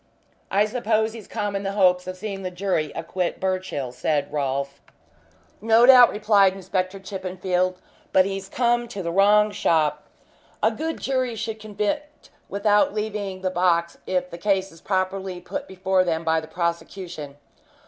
"I suppose he's come in the hopes of seeing the jury acquit Birchill," said Rolfe. "No doubt," replied Inspector Chippenfield. "But he's come to the wrong shop. A good jury should convict without leaving the box if the case is properly put before them by the prosecution.